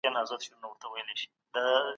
څوک غواړي رسمي سفر په بشپړ ډول کنټرول کړي؟